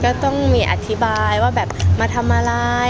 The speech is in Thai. ก็ต้องมีอธิบายว่าแบบมาทำอะไร